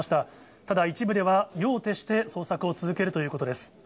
ただ一部では、夜を徹して捜索を続けるということです。